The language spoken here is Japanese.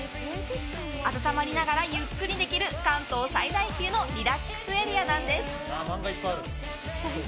温まりながらゆっくりできる関東最大級のリラックスエリアなんです。